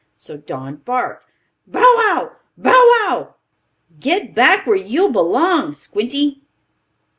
So Don barked: "Bow wow! Bow wow! Get back where you belong, Squinty."